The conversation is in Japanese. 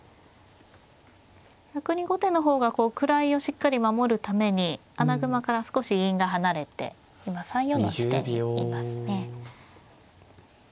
逆に後手の方が位をしっかり守るために穴熊から少し銀が離れて今３四の地点にいますね。